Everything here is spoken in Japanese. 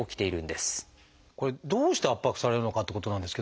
これどうして圧迫されるのかってことなんですけどね。